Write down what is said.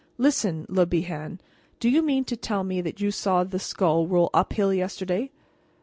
"Listen, Le Bihan: do you mean to tell me that you saw that skull roll uphill yesterday?"